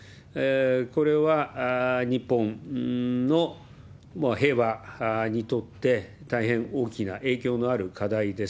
これは日本の平和にとって、大変大きな影響のある課題です。